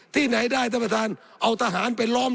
ที่ไหนได้ท่านประธานเอาทหารไปล้อม